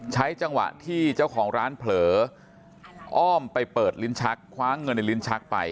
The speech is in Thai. ใช้จังหวะที่เจ้าของร้านเผลออ้อมไปเปิดลิ้นชักคว้าเงินในลิ้นชักไป